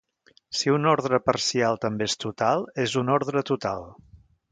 Si una ordre parcial també és total, és una ordre total.